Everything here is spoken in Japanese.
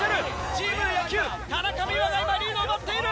チーム野球田中美羽が今リードを奪っている！